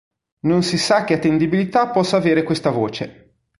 Non si sa che attendibilità possa avere questa voce.